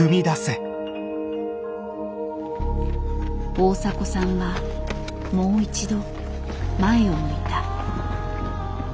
大迫さんはもう一度前を向いた。